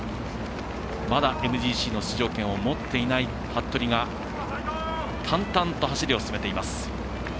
まだＭＧＣの出場権を持っていない服部が淡々と走りを進めています。